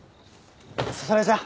それじゃ。